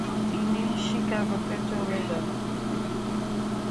তিনি শিকাগোতে চলে যান।